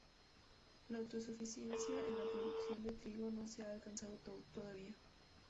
La autosuficiencia en la producción de trigo no se ha alcanzado todavía.